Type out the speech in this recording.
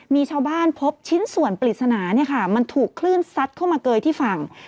มีชาวบ้านพบชิ้นส่วนปริศนามันถูกคลื่นซัดเข้ามาเกยที่ฝั่ง